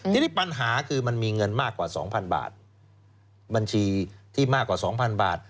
ทีนี้ปัญหาคือมันมีเงินมากกว่า๒๐๐บาทบัญชีที่มากกว่า๒๐๐บาท